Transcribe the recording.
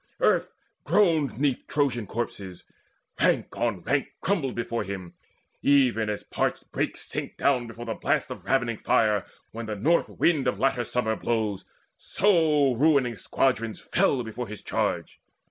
Earth groaned 'neath Trojan corpses; rank on rank Crumbled before him, even as parched brakes Sink down before the blast of ravening fire When the north wind of latter summer blows; So ruining squadrons fell before his charge.